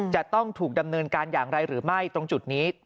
จะต้องถูกดำเนินการอย่างไรหรือไม่ตรงจุดนี้